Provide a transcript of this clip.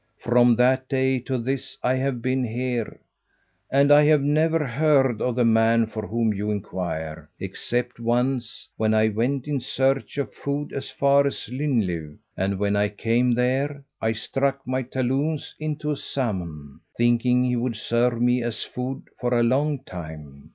From that day to this I have been here, and I have never heard of the man for whom you inquire, except once when I went in search of food as far as Llyn Llyw. And when I came there, I struck my talons into a salmon, thinking he would serve me as food for a long time.